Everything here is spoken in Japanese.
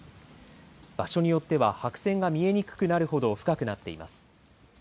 場所によっては白線が見えにくくなるほど深くなっています。